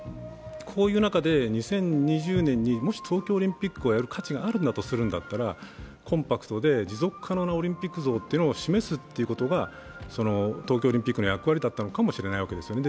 こういう中で２０２０年に、もし、東京オリンピックをやる価値があるんだったとすれば、コンパクトで持続可能なオリンピック像を示すということが東京オリンピックの役割だったのかもしれないですよね。